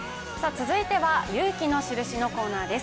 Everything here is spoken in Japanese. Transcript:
続いては「勇気のシルシ」のコーナーです。